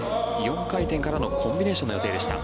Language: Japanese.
４回転からのコンビネーションの予定でした。